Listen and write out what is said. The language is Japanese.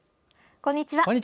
こんにちは。